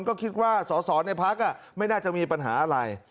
ก็คิดว่าสอสอในพักไม่น่าจะมีปัญหาอะไร